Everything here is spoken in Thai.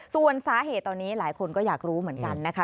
ส่วนสาเหตุตอนนี้หลายคนก็อยากรู้เหมือนกันนะคะ